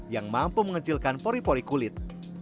yang mampu mengecilkan pori pori kulit